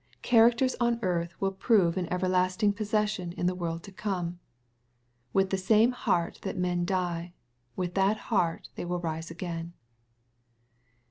fCharacters on earth will prove an everlasting possession in the world to come. With the same heart that men die, with that heart they will rise again.